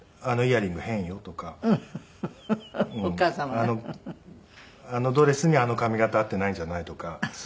「あのドレスにあの髪形合ってないんじゃない？」とか。